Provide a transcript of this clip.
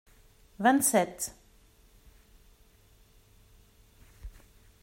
Vingt-sept.